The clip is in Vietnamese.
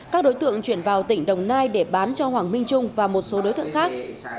các đối tượng chuyển vào tỉnh đồng nai để bán cho hoàng minh trung và một số đối tượng khác